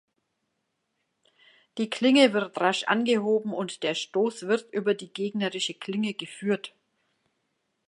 Die Klinge wird rasch angehoben und der Stoß wird über die gegnerische Klinge geführt.